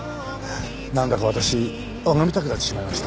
なんだか私拝みたくなってしまいました。